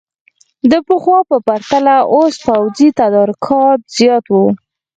د پخوا په پرتله اوس پوځي تدارکات زیات وو.